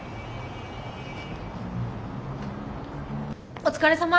お疲れさま。